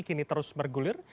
kini terus bergulir